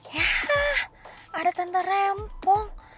ya ada tante rempong